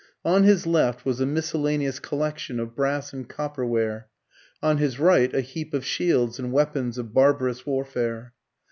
On his left was a miscellaneous collection of brass and copper ware, on his right a heap of shields and weapons of barbarous warfare.